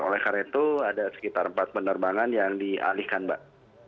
oleh karena itu ada sekitar empat penerbangan yang dialihkan mbak